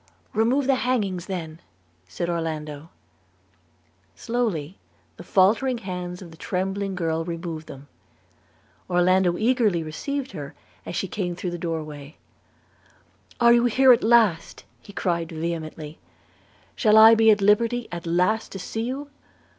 'Remove the hangings then,' said Orlando. Slowly the faltering hands of the trembling girl removed them. Orlando eagerly received her as she came through the door way. 'Are you here at last?' cried he vehemently. 'Shall I be at liberty, at last to see you?